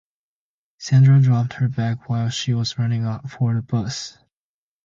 Sandra dropped her bag while she was running for the bus.